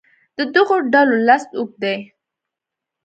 د دغو ډلو لست اوږد دی.